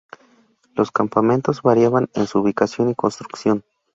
Los campamentos variaban en su ubicación y construcción.